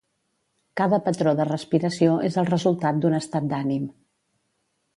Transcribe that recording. Cada patró de respiració és el resultat d'un estat d'ànim.